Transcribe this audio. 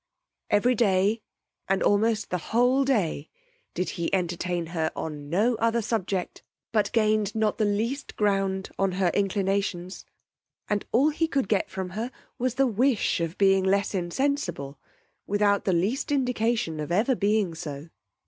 Every day, and almost the whole day, did he entertain her on no other subject, but gained not the least ground on her inclinations; and all he could get from her was the wish of being less insensible, without the least indication of ever being so.